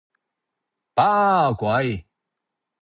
把鬼!